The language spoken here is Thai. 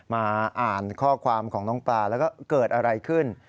มาอ่านข้อความของน้องปลาแล้วก็เกิดอะไรขึ้น